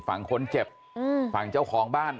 ฝั่งคนเจ็บฝั่งเจ้าของบ้าน